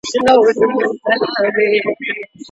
هرات نوی ښار نه دی.